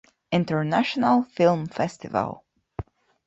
International Film Festival